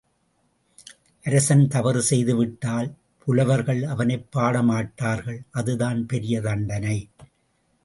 அரசன் தவறு செய்துவிட்டால் புலவர்கள் அவனைப் பாடமாட்டார்கள் அதுதான் பெரிய தண்டனை.